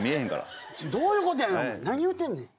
どういうことやねん。